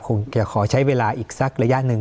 จะขอใช้เวลาอีกสักระยะหนึ่ง